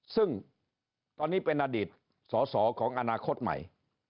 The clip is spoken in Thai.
ซึ่งตอนนี้เป็นอดีตสอสอของอนาคตใหม่